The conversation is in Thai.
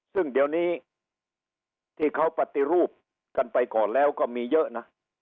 ซึ่งเดี๋ยวนี้ที่เขาปฏิรูปกันไปก่อนแล้วก็มีเยอะนะ